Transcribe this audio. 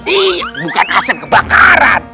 iya bukan asep kebakaran